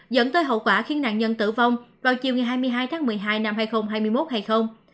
dẫn tới hậu quả khiến nạn nhân tử vong vào chiều ngày hai mươi hai tháng một mươi hai năm hai nghìn hai mươi một hay không